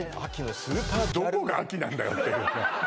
どこが秋なんだよっていうね